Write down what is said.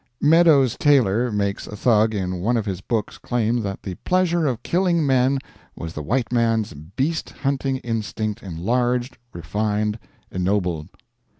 Meadows Taylor makes a Thug in one of his books claim that the pleasure of killing men was the white man's beast hunting instinct enlarged, refined, ennobled.